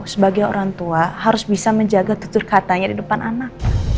sebagai orang tua harus bisa menjaga tutur katanya di depan anak